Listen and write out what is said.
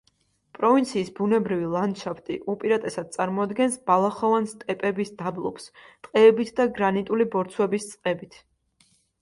პროვინციის ბუნებრივი ლანდშაფტი უპირატესად წარმოადგენს ბალახოვან სტეპების დაბლობს, ტყეებით და გრანიტული ბორცვების წყებით.